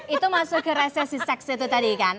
itu masuk ke resesi seks itu tadi kan